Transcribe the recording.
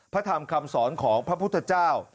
พระธรรมคำสอนของพระพุทธเจ้า